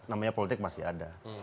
namanya politik masih ada